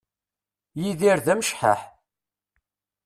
Yidir d amecḥaḥ